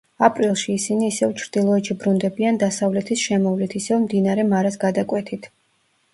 აპრილში ისინი ისევ ჩრდილოეთში ბრუნდებიან დასავლეთის შემოვლით, ისევ მდინარე მარას გადაკვეთით.